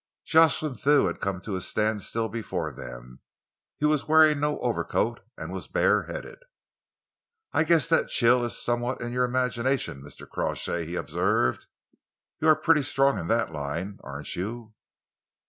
Jocelyn Thew had come to a standstill before them. He was wearing no overcoat and was bare headed. "I guess that chill is somewhere in your imagination, Mr. Crawshay," he observed. "You are pretty strong in that line, aren't you?"